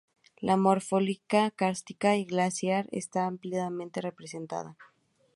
La morfología kárstica y glaciar está ampliamente representada.